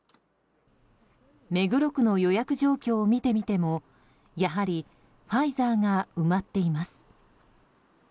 目黒区の予約状況を見てみてもやはり、ファイザーが埋まっています。